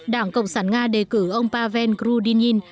đảng cộng sản nga đề cử ông pavel grudinin